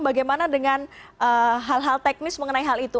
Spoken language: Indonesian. bagaimana dengan hal hal teknis mengenai hal itu